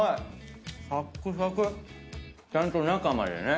ちゃんと中までね。